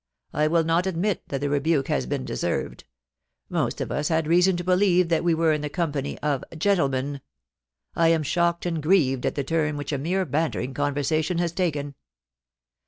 I will not admit that the rebuke has been deserved Most of us had reason to believe that we were in the company of gentlemen, I am shocked and grieved at the turn which a mere bantering conversation has taken.